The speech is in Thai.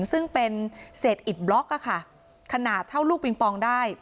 ซึ่งเป็นเศษอิดบล็อกค่ะขนาดเท่าลูกปิงปองได้